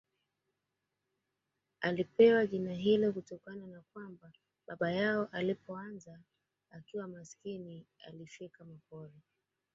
Alipewa jina hilo kutokana na kuwa baba yao alipoanza akiwa maskani alifyeka mapori